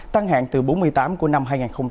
tăng hạng từ bốn mươi tám của năm hai nghìn hai mươi hai